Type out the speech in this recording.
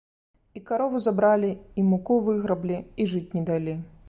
І карову забралі, і муку выграблі, і жыць не далі.